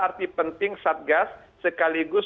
arti penting satgas sekaligus